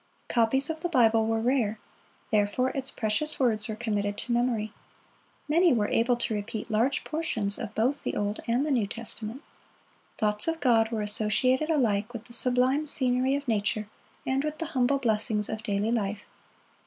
Copies of the Bible were rare; therefore its precious words were committed to memory. Many were able to repeat large portions of both the Old and the New Testament. Thoughts of God were associated alike with the sublime scenery of nature and with the humble blessings of daily life.